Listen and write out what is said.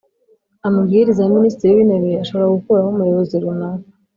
Amabwiriza ya Minisitiri w Intebe ashobora gukuraho umuyobozi runaka